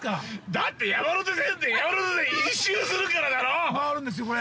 ◆だって、山手線って一周するからだろ。◆回るんですよ、これ。